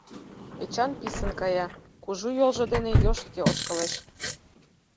Эчан писын кая, кужу йолжо дене йоштке ошкылеш.